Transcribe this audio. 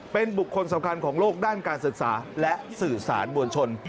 เป็นบุคคลสำคัญของโลกด้านการศึกษาและสื่อสารมวลชน